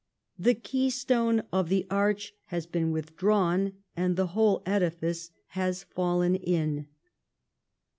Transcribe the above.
The keystone of the arch has been withdrawn, and the whole edifice has fallen in."